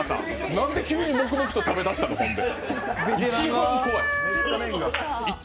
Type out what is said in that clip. なんで急に黙々と食べだしたの、ほんで。